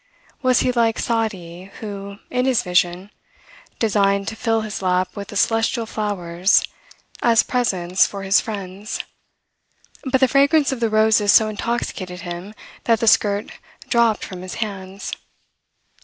Was he like Saadi, who, in his vision, designed to fill his lap with the celestial flowers, as presents for his friends; but the fragrance of the roses so intoxicated him, that the skirt dropped from his hands?